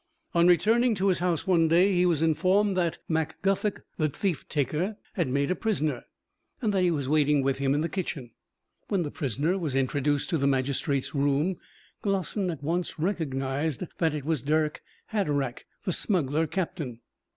On returning to his house one day, he was informed that Mac Guffog, the thief taker, had made a prisoner, and that he was waiting with him in the kitchen. When the prisoner was introduced to the magistrate's room, Glossin at once recognised that it was Dirck Hatteraick, the smuggler captain.